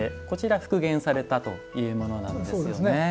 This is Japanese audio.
こちら復元されたというものなんですよね。